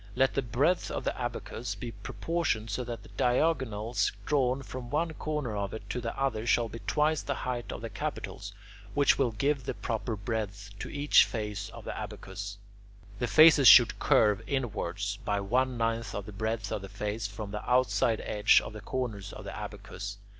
Let the breadth of the abacus be proportioned so that diagonals drawn from one corner of it to the other shall be twice the height of the capitals, which will give the proper breadth to each face of the abacus. The faces should curve inwards, by one ninth of the breadth of the face, from the outside edge of the corners of the abacus.